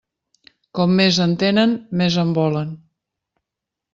Com més en tenen, més en volen.